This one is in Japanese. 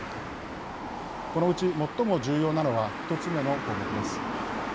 このうち最も重要なのは１つ目の項目です。